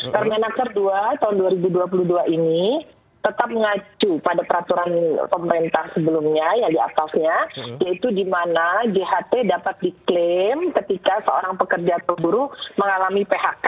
permenaker dua tahun dua ribu dua puluh dua ini tetap mengacu pada peraturan pemerintah sebelumnya yang diatasnya yaitu di mana jht dapat diklaim ketika seorang pekerja buruh mengalami phk